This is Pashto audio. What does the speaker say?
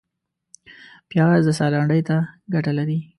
پیاز د ساه لنډۍ ته ګټه لري